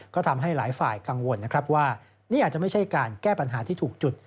ก็ทำให้หลายฝ่ายกังวลนะครับว่านี่อาจจะไม่ใช่การแก้ปัญหาที่ถูกจุด